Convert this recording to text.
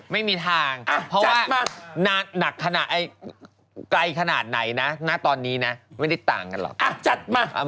ไม่มีทางเพราะว่าหนักขนาดไกลขนาดไหนนะณตอนนี้นะไม่ได้ต่างกันหรอก